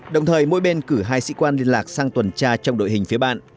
đồng thời mỗi bên cử hai sĩ quan liên lạc sang tuần tra trong đội hình phía bạn